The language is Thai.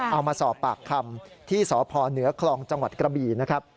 เอามาสอบปากคำที่สพเหนือคลองจังหวัดกระบี่นะครับ